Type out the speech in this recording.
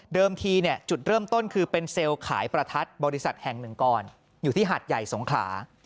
ทีจุดเริ่มต้นคือเป็นเซลล์ขายประทัดบริษัทแห่งหนึ่งก่อนอยู่ที่หัดใหญ่สงขลา